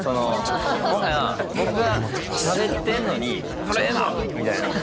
もはや僕がしゃべってんのに「こりゃええな！」みたいな。